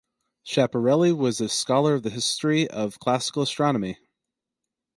Schiaparelli was a scholar of the history of classical astronomy.